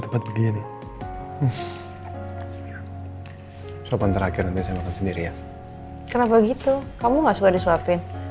tempat begini sopan terakhir nanti saya makan sendiri ya kenapa gitu kamu nggak suka disuapin